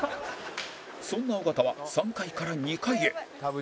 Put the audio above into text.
そんな尾形は３階から２階へ